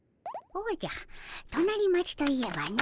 おじゃ隣町といえばの。